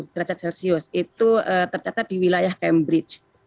tiga puluh delapan tujuh derajat celcius itu tercatat di wilayah cambridge